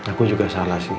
aku juga salah sih